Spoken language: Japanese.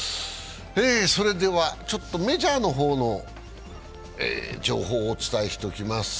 メジャーの方の情報をお伝えしておきます。